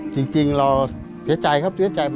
จริงเราเสียใจครับเสียใจ